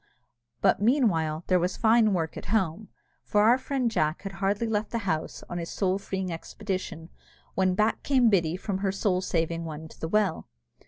But, meanwhile, there was fine work at home; for our friend Jack had hardly left the house on his soul freeing expedition, when back came Biddy from her soul saving one to the well.